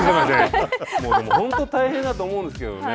でも、本当大変だと思うんですけどね。